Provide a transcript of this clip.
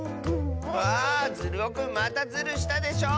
わあズルオくんまたズルしたでしょ！